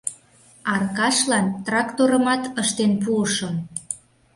Аркашлан «тракторымат» ыштен пуышым.